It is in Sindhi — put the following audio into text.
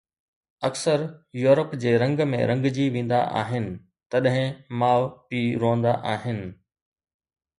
اڪثر يورپ جي رنگ ۾ رنگجي ويندا آهن، تڏهن ماءُ پيءُ روئندا آهن